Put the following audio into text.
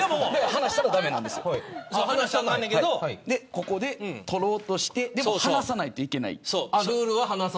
ここで取ろうとして放さないといけない。